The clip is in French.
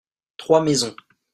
trois maisons.